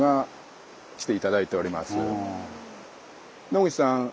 野口さん